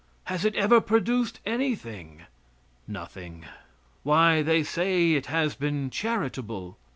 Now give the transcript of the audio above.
Has it ever produced anything? Nothing. Why, they say, it has been charitable.